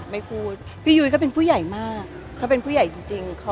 ไม่พูดพี่ยุ้ยเขาเป็นผู้ใหญ่มากเขาเป็นผู้ใหญ่จริง